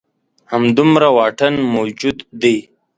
همدومره واټن موجود دی.